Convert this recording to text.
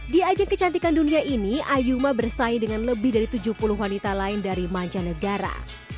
di ajang kecantikan dunia ini ayuma bersaing dengan lebih dari tujuh puluh wanita lain dari mancanegara